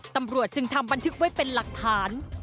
ตำรวจจึงทำบันทึกไว้เป็นหลักฐาน